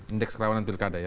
indeks kelawan nebelgada ya